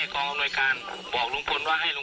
พี่กู้ไภอย่าเพิ่งทิ้งผมไปไหน